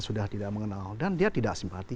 sudah tidak mengenal dan dia tidak simpati